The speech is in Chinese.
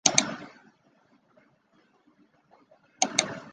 县市合并前为全县人口最多的镇。